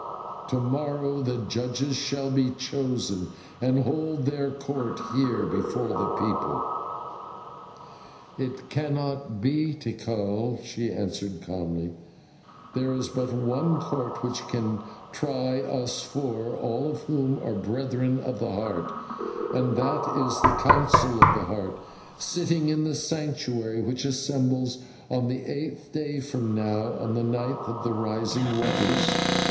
To morrow the judges shall be chosen, and hold their court here before the people." "It cannot be, Tikal," she answered calmly, "there is but one court which can try us four, all of whom are Brethren of the Heart, and that is the Council of the Heart sitting in the Sanctuary, which assembles on the eighth day from now, on the night of the Rising of Waters.